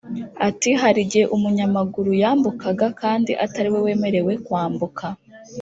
Ati “Hari igihe umunyamaguru yambukaga kandi atari we wemerewe kwambuka